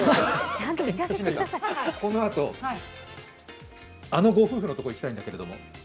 このあと、あのご夫婦の所に行きたいんだけど。